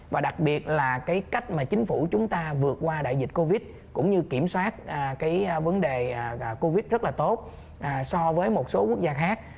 và đặc biệt là cái cách mà chính phủ chúng ta vượt qua đại dịch covid cũng như kiểm soát cái vấn đề covid rất là tốt so với một số quốc gia khác